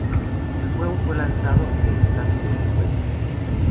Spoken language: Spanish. El juego fue lanzado en el estatus de videojuego.